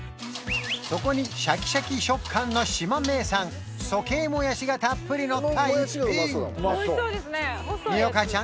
そこにシャキシャキ食感の島名産そけいもやしがたっぷりのった逸品澪花ちゃん